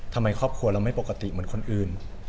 ทำไมครอบครัวเราไม่ปกติเหมือนคนอื่น